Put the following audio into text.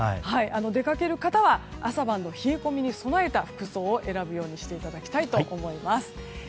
出かける方は朝晩の冷え込みに備えた服装を選ぶようにしていただきたいと思います。